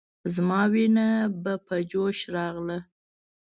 زما وينه به په جوش راغله.